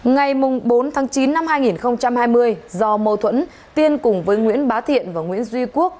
ngày bốn tháng chín năm hai nghìn hai mươi do mâu thuẫn tiên cùng với nguyễn bá thiện và nguyễn duy quốc